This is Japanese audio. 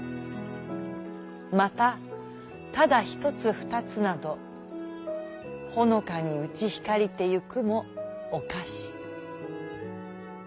またただ一つ二つなどほのかにうち光りて行くもをかし。